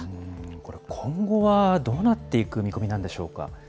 これ、今後はどうなっていく見込みなんでしょうか。